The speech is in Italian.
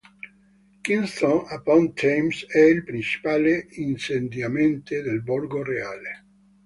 Kingston upon Thames è il principale insediamento del borgo reale.